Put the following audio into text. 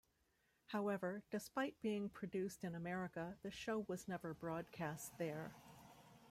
However, despite being produced in America, the show was never broadcast there.